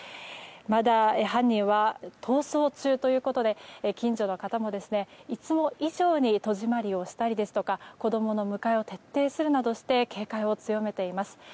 まだ犯人は逃走中ということで近所の方もいつも以上に戸締まりをしたりですとか子供の迎えを徹底するなどして警戒を強めています。